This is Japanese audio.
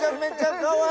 かわいい！